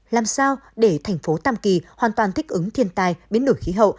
làm sao để thành phố tam kỳ hoàn toàn thích ứng thiên tài biến đổi khí hậu